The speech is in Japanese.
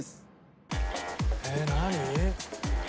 えっ何？